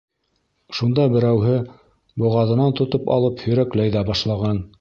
Шунда берәүһе боғаҙынан тотоп алып һөйрәкләй ҙә башлаған.